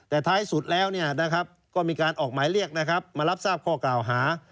แต่ท้ายสุดแล้วก็มีการออกหมายเรียกนะครับมารับทราบข้อกล่าวหา